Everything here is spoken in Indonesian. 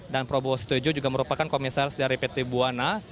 dan probowos tujuh juga merupakan komisaris dari pt buana